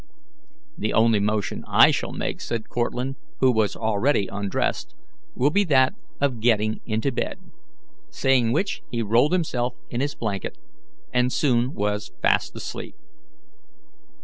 "The only motion I shall make," said Cortlandt, who was already undressed, "will be that of getting into bed," saying which, he rolled himself in his blanket and soon was fast asleep.